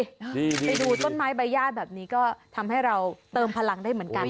ไปดูต้นไม้ใบญาติแบบนี้ก็ทำให้เราเติมพลังได้เหมือนกัน